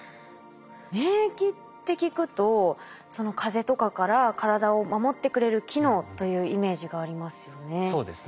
免疫って聞くと風邪とかから体を守ってくれる機能というイメージがありますよね。